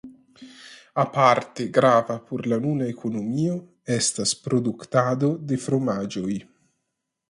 Aparte grava por la nuna ekonomio estas produktado de fromaĝoj.